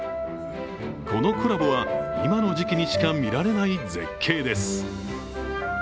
このコラボは今の時期にしか見られない絶景です。